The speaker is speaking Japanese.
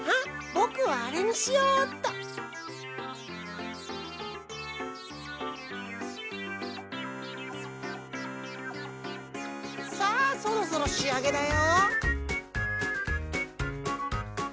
ぼくはあれにしよっとさあそろそろしあげだよ。